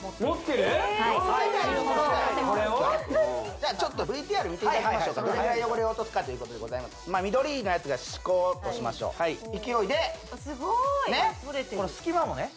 じゃあちょっとＶＴＲ見ていただきましょうかどれぐらい汚れを落とすかということでございます緑のやつが歯垢としましょう勢いでねっすごい・とれてるこの隙間もね